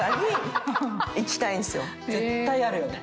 絶対あるよね。